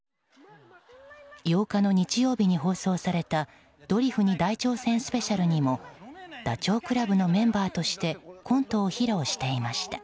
８日の日曜日に放送された「ドリフに大挑戦スペシャル」にもダチョウ倶楽部のメンバーとしてコントを披露していました。